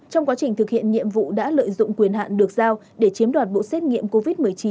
trong quá trình thực hiện nhiệm vụ đã lợi dụng quyền hạn được giao để chiếm đoạt bộ xét nghiệm covid một mươi chín